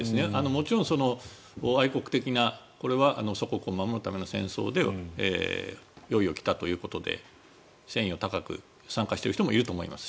もちろん愛国的なこれは祖国を守るための戦争でいよいよ来たということで戦意を高く、参加している人もいると思います。